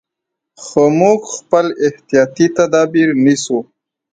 خو موږ خپل احتیاطي تدابیر نیسو.